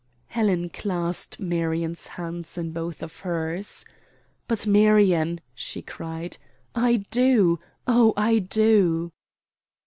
Helen clasped Marion's hands in both of hers. "But, Marion!" she cried, "I do, oh, I do!"